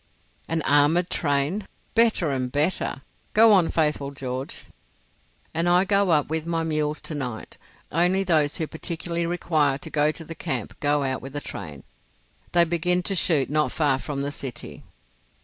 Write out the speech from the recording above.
"An armoured train. Better and better! Go on, faithful George." "And I go up with my mules to night. Only those who particularly require to go to the camp go out with the train. They begin to shoot not far from the city."